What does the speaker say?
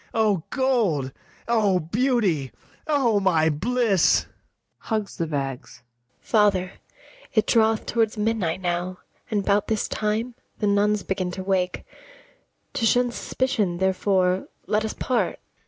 O gold! O beauty! O my bliss! [Hugs the bags.] ABIGAIL. Father, it draweth towards midnight now, And 'bout this time the nuns begin to wake; To shun suspicion, therefore, let us part.